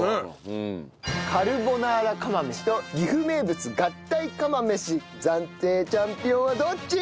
カルボナーラ釜飯と岐阜名物合体釜飯暫定チャンピオンはどっち？